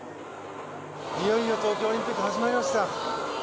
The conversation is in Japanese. いよいよ東京オリンピック始まりました。